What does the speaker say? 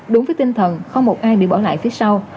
đúng với tinh thần không một ai bị bỏ lại phía sau